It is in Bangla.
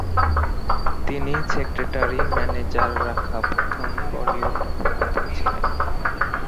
তিনি সেক্রেটারি/ম্যানেজার রাখা প্রথম বলিউড অভিনেতা ছিলেন।